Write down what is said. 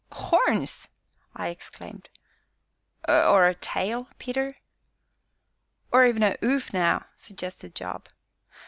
"Horns!" I exclaimed. "Or a tail, Peter?" "Or even a 'oof, now?" suggested Job.